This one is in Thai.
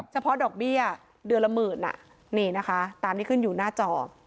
เฉพาะดอกเบี้ยเดือนละหมื่นนี่นะคะตามที่ขึ้นอยู่หน้าจอ